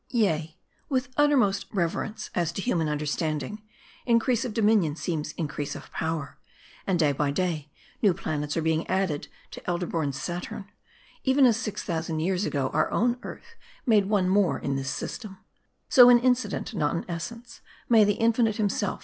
Yea, with uttermost reverence, as to human under standing, increase of dominion seems increase of power ; and day by day new planets are being added to elder born Saturns, even as six thousand years ago our own Earth made one more in this system ; so, in incident, not in essence, may the Infinite himself.